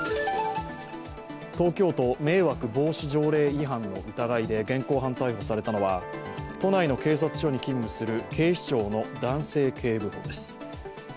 東京都迷惑防止条例違反の疑いで現行犯逮捕されたのは都内の警察署に勤務する警視庁の男性警部補です。